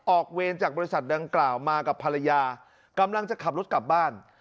เวรจากบริษัทดังกล่าวมากับภรรยากำลังจะขับรถกลับบ้าน